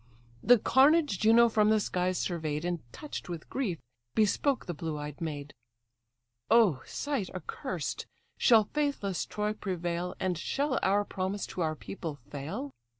The carnage Juno from the skies survey'd, And touch'd with grief bespoke the blue eyed maid: "Oh, sight accursed! Shall faithless Troy prevail, And shall our promise to our people fail?